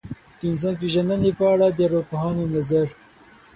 د انسان پېژندنې په اړه د ارواپوهانو نظر.